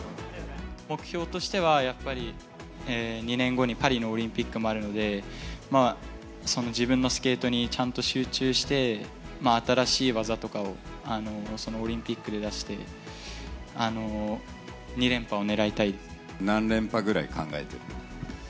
目標としては、やっぱり２年後にパリのオリンピックもあるので、自分のスケートにちゃんと集中して、新しい技とかをそのオリンピックで出して、何連覇ぐらい考えている？